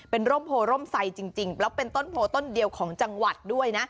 เป็นร่มโพร่มไซจริงแล้วเป็นต้นโพต้นเดียวของจังหวัดด้วยนะ